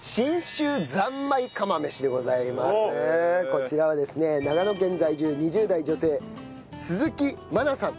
こちらはですね長野県在住２０代女性鈴木麻奈さん。